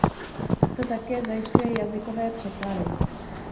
To také zajišťuje jazykové překlady.